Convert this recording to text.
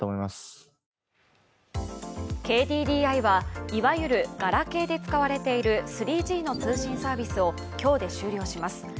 ＫＤＤＩは、いわゆるガラケーで使われている３Ｇの通信サービスを今日で終了します。